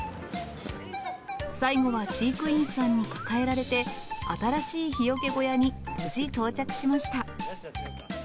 最後は飼育員さんに抱えられて、新しい日よけ小屋に無事到着しました。